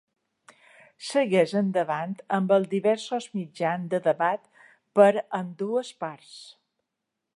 Segueix endavant amb els diversos mitjans de debat per a ambdues parts.